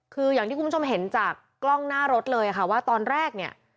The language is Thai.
คืออย่างที่คุณผู้ชมเห็นจากกล้องหน้ารถเลยค่ะว่าตอนแรกเนี่ย